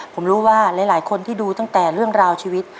ผมรู้ว่าหลายคนที่ดูตั้งแต่เรื่องราวชีวิต